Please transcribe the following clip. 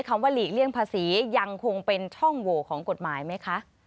ว่าหลีกเลี่ยงภาษียังคงเป็นช่องโหวของกฎหมายไหมคะ